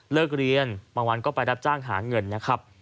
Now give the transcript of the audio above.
เรียนบางวันก็ไปรับจ้างหาเงินนะครับ